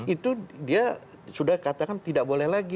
itu dia sudah katakan tidak boleh lagi